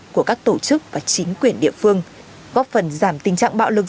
của các tổ chức và chính quyền địa phương góp phần giảm tình trạng bạo lực